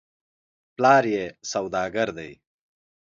پلار یې سودا ګر دی .